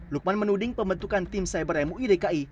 lukman menuding pembentukan tim cyber muidki